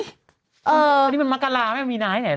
อันนี้มันมะกะลาไหมมีนาไอ้ไหนละ